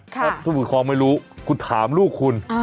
ถ้าผู้ปกครองไม่รู้คุณถามลูกคุณ